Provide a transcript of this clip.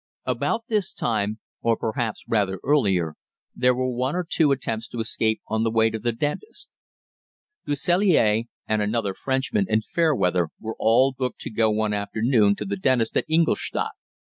About this time, or perhaps rather earlier, there were one or two attempts to escape on the way to the dentist. Du Sellier and another Frenchman and Fairweather were all booked to go one afternoon to the dentist at Ingolstadt.